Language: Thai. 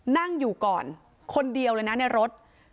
นั่งอยู่ก่อนคนเดียวเลยนะในรถ